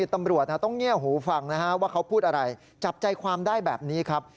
ตำรวจต้องเงียบหูฟังนะฮะว่าเขาพูดอะไรจับใจความได้แบบนี้ครับ